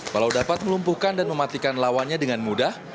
walau dapat melumpuhkan dan mematikan lawannya dengan mudah